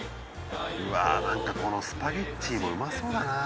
うわ何かこのスパゲティもうまそうだな